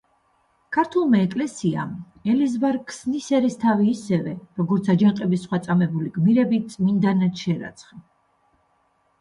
ქართულმა ეკლესიამ ელიზბარ ქსნის ერისთავი ისევე, როგორც აჯანყების სხვა წამებული გმირები, წმინდანად შერაცხა.